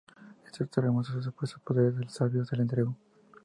Este, temeroso de los supuestos poderes del sabio, se la entregó.